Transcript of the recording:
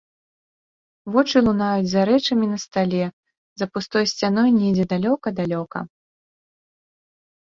Вочы лунаюць за рэчамі на стале, за пустой сцяной недзе далёка-далёка.